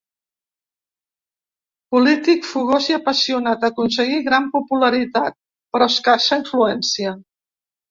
Polític fogós i apassionat, aconseguí gran popularitat, però escassa influència.